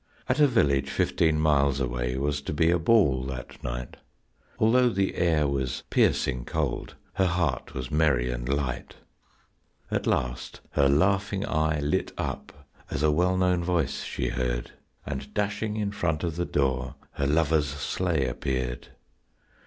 At a village fifteen miles away was to be a ball that night; Although the air was piercing cold, her heart was merry and light. At last her laughing eye lit up as a well known voice she heard, And dashing in front of the door her lover's sleigh appeared.